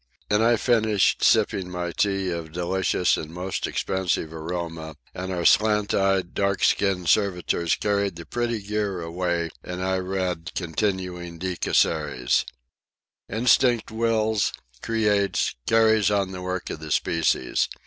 And I finished sipping my tea of delicious and most expensive aroma, and our slant eyed, dark skinned servitors carried the pretty gear away, and I read, continuing De Casseres: "'Instinct wills, creates, carries on the work of the species.